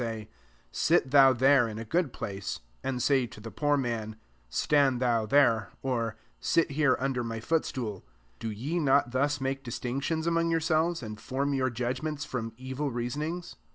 say, "Sit thou there in a good place;" and say to the poor man, " Stand thou there,'' or, " Sit [Aere] under my fiwt stool ;" 4 do ye not [_thus2 make distinctions among yourselves, and form your judgments fixsn evil reasoning^?